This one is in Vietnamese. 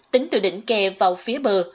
tính từ đỉnh kè vào phía bờ